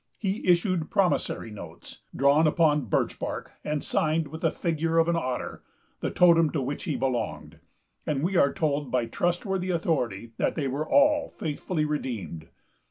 He issued promissory notes, drawn upon birch bark, and signed with the figure of an otter, the totem to which he belonged; and we are told by a trustworthy authority that they were all faithfully redeemed.